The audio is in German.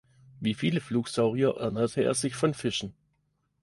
Wie viele Flugsaurier ernährte er sich von Fischen.